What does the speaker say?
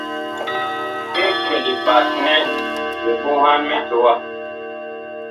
Eg kɛ liɓat nɛ mi ɓoŋhan mitowa.